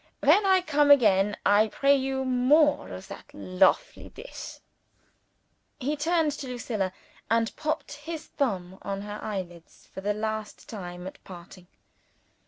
When I come again, I pray you more of that lofely dish." He turned to Lucilla, and popped his thumb on her eyelids for the last time at parting.